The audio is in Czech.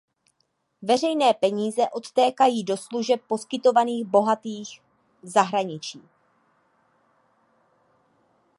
Veřejné peníze odtékají do služeb poskytovaných bohatým v zahraničí.